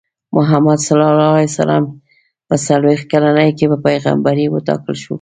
محمد ص په څلوېښت کلنۍ کې په پیغمبرۍ وټاکل شو.